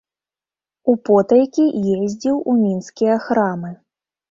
Употайкі ездзіў у мінскія храмы.